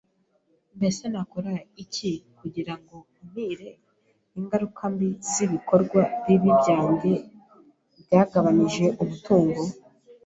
Mbese nakora iki kugira ngo nkumire ingaruka mbi z’ibikorwa bibi byanjye byagabanije umutungo